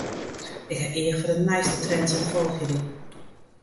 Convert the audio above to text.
Ik ha each foar de nijste trends en folgje dy.